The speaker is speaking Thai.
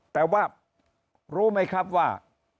แต่ว่ารู้ไหมครับว่า